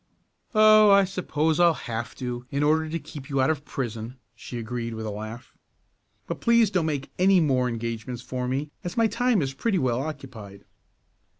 "Oh, I suppose I'll have to, in order to keep you out of prison," she agreed with a laugh. "But please don't make any more engagements for me, as my time is pretty well occupied."